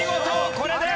これで。